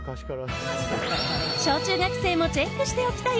小中学生もチェックしておきたい